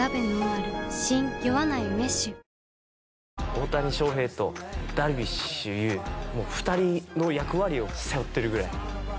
大谷翔平とダルビッシュ有２人の役割を背負ってるぐらい。